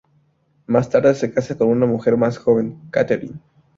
Más tarde se casa con una mujer más joven, Katherine.